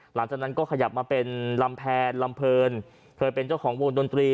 หลังจากนั้นก็ขยับมาเป็นลำแพนลำเพลินเคยเป็นเจ้าของวงดนตรี